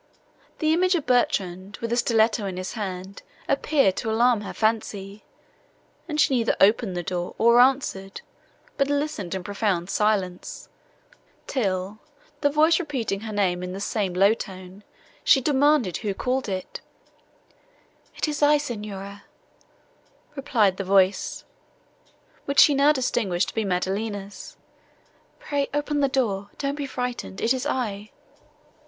The image of Bertrand, with a stilletto in his hand, appeared to her alarmed fancy, and she neither opened the door nor answered, but listened in profound silence, till, the voice repeating her name in the same low tone, she demanded who called. "It is I, Signora," replied the voice, which she now distinguished to be Maddelina's, "pray open the door. Don't be frightened, it is I."